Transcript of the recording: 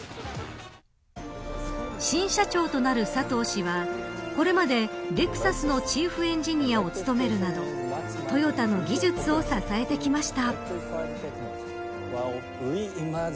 新社長となる佐藤氏はこれまで、レクサスのチーフエンジニアを務めるなどトヨタの技術を支えてきました。